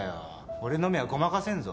俺の目はごまかせんぞ。